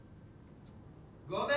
・ごめん！